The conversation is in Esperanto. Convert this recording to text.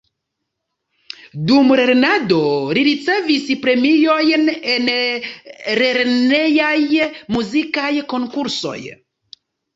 Dum lernado li ricevis premiojn en lernejaj muzikaj konkursoj.